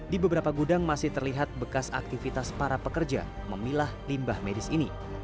di beberapa gudang masih terlihat bekas aktivitas para pekerja memilah limbah medis ini